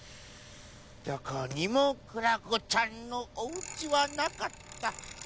どこにもクラコちゃんのおうちはなかった。